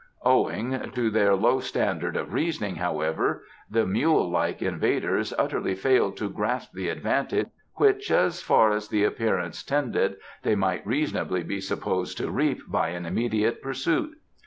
Owing to their low standard of reasoning, however, the mule like invaders utterly failed to grasp the advantage which, as far as the appearance tended, they might reasonably be supposed to reap by an immediate pursuit.